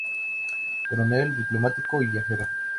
Coronel, diplomático y viajero.